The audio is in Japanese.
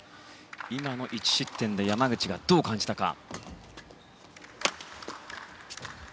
今の１失点で山口がどう感じたか。